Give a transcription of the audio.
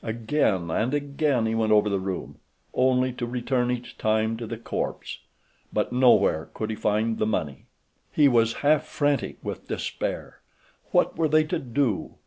Again and again he went over the room, only to return each time to the corpse; but no where could he find the money. He was half frantic with despair. What were they to do?